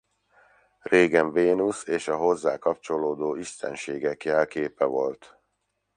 Régen Vénusz és a hozzá kapcsolódó istenségek jelképe volt.